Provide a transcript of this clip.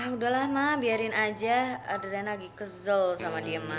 udah lah ma biarin aja adriana lagi kesel sama dia ma